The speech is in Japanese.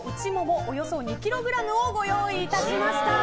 およそ２ｋｇをご用意いたしました。